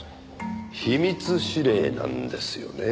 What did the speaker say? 秘密指令なんですよね。